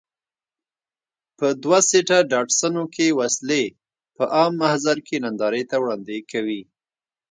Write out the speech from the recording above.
په دوه سیټه ډاټسنونو کې وسلې په عام محضر کې نندارې ته وړاندې کوي.